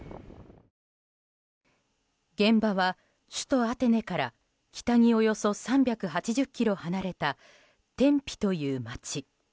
現場は首都アテネから北におよそ３８０ｋｍ離れたテンピという町。